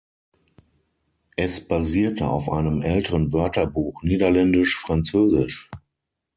Es basierte auf einem älteren Wörterbuch Niederländisch-Französisch.